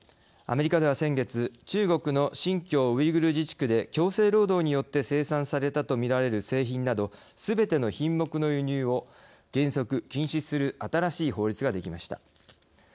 アメリカでは先月中国の新疆ウイグル自治区で強制労働によって生産されたとみられる製品などすべての品目の輸入を原則禁止する新しい法律ができました。